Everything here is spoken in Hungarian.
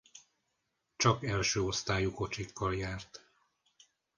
Csak első osztályú kocsikkal járt.